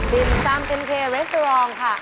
ดินซ่ำเต็มเครียสเตอร์รองค่ะ